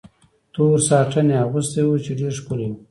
تور ساټن یې اغوستی و، چې ډېر ښکلی و.